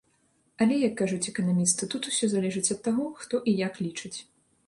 Але, як кажуць эканамісты, тут усё залежыць ад таго, хто і як лічыць.